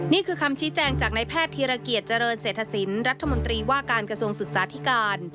นี่คือคำชี้แจงจากในแพทย์ธีรเกียจเจริญเศรษฐศิลป์รัฐมนตรีว่าการกระทรวงศึกษาธิการ